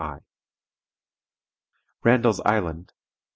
I." "Randall's Island, Dec.